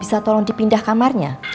bisa tolong dipindah kamarnya